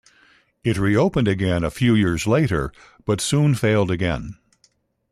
It reopened again a few years later but soon failed again.